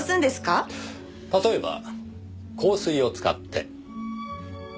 例えば香水を使って。